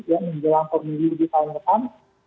ya menjelang pemilu di tahun depan